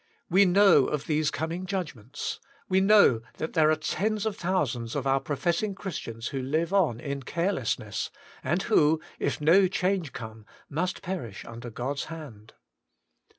We know of these coming judgments ; we know that there are tens of thousands of our professing Christians who live on in carelessness, and who, if no change come, must perish under God's hand.